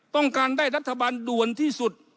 ต้องการได้รัฐบาลด่วนที่สุด